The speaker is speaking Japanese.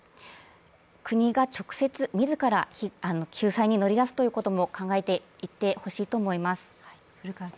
国が直接自ら救済に乗り出すということも考えていってほしいと思います。